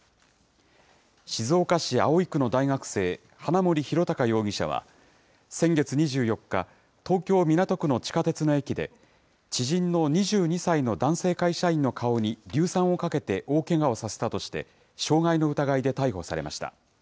静岡市葵区の大学生、花森弘卓容疑者は先月２４日、東京・港区の地下鉄の駅で、知人の２２歳の男性会社員の顔に硫酸をかけて大けがをさせたとして、傷害の疑いで逮捕されました。